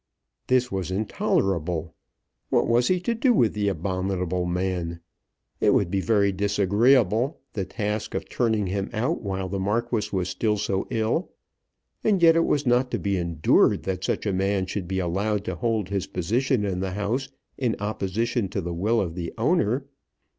This was intolerable. What was he to do with the abominable man? It would be very disagreeable, the task of turning him out while the Marquis was still so ill, and yet it was not to be endured that such a man should be allowed to hold his position in the house in opposition to the will of the owner.